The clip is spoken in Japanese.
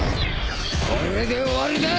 これで終わりだ！